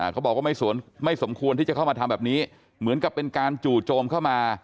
เขาบอกว่าไม่สมควรที่จะเข้ามาทำแบบนี้เหมือนกับเป็นการจู่โจมเข้ามา